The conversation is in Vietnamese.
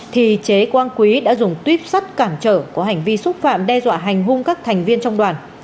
thì chế quang quý đã dùng tuyếp sắt cản trở có hành vi xúc phạm đe dọa hành hung các thành viên trong đoàn